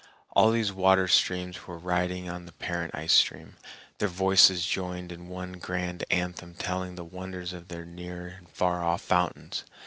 All these water streams were riding on the parent ice stream, their voices joined in one grand anthem telling the wonders of their near and far off fountains.